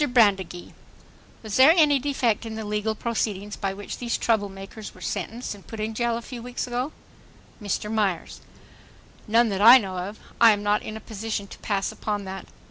BRANDEGEE: ... Was there any defect in the legal proceedings by which these trouble makers were sentenced and put in jail a few weeks ago? MR. MYERS: None that I know of. I am not in a position to pass upon that.